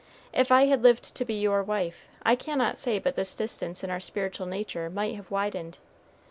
If I had lived to be your wife, I cannot say but this distance in our spiritual nature might have widened.